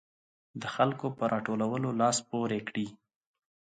د خلکو په راټولولو لاس پورې کړي.